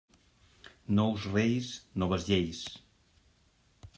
Nous reis, noves lleis.